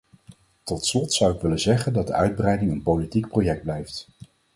Tot slot zou ik willen zeggen dat de uitbreiding een politiek project blijft.